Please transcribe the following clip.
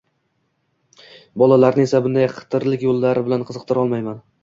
Bolalarni esa bunday xitrlik yo‘llari bilan qiziqtira olmaysan.